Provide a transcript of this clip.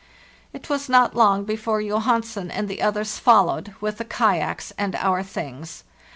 "It was not very long before Johansen and the others followed, with the kayaks and our things.